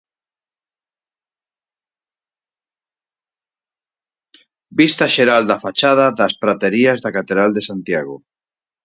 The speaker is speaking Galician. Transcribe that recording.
Vista xeral da fachada das Praterías da Catedral de Santiago.